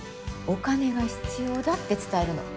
お金が必要だって伝えるの。